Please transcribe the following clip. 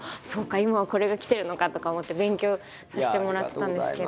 今はこれがきてるのかとか思って勉強させてもらってたんですけど。